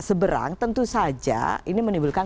seberang tentu saja ini menimbulkan